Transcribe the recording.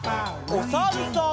おさるさん。